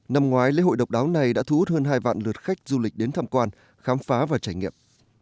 năm ngoái lễ hội độc đáo này đã thu hút hơn hai vạn lượt khách du lịch đến tham quan khám phá và trải nghiệm